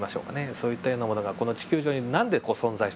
そういったようなものがこの地球上に何で存在しているのかという。